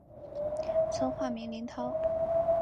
曾化名林涛。